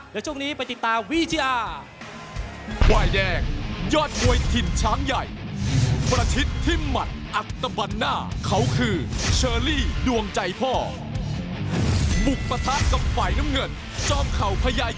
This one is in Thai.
เดี๋ยวช่วงนี้ไปติดตามวิทยา